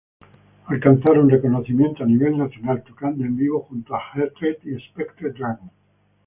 Alcanzaron reconocimiento a nivel nacional, tocando en vivo junto a Hatred y Spectre Dragon.